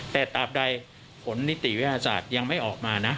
แต่ตามใดผลนิติวิทยาศาสตร์ยังไม่ออกมานะ